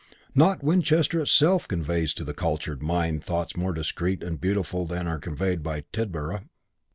Not Winchester itself conveys to the cultured mind thoughts more discreet and beautiful than are conveyed by Tidborough.